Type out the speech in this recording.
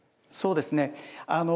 そうですね。